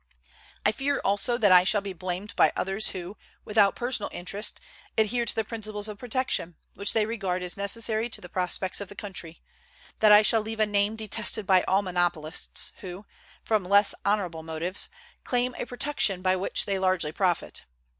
[I fear also] that I shall be blamed by others who, without personal interest, adhere to the principles of protection, which they regard as necessary to the prospects of the country; that I shall leave a name detested by all monopolists, who, from less honorable motives, claim a protection by which they largely profit.